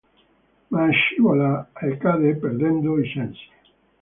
Ma scivola e cade perdendo i sensi.